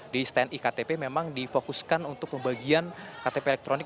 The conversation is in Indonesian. di stand iktp memang difokuskan untuk pembagian ktp elektronik